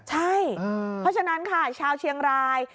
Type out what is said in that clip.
ใช่เพราะฉะนั้นค่ะชาวเชียงราย